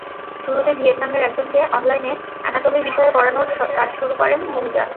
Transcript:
শুরুতে ভিয়েতনামের একজনকে অনলাইনে অ্যানাটমি বিষয়ে পড়ানোর কাজ শুরু করেন মুমীতা।